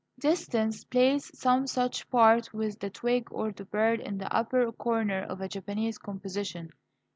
Distance plays some such part with the twig or the bird in the upper corner of a Japanese composition.